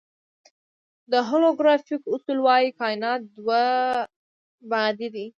د هولوګرافیک اصول وایي کائنات دوه بعدی دی.